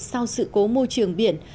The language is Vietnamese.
sau sự cố môi trường biển